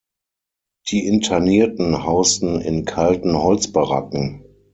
Die Internierten hausten in kalten Holzbaracken.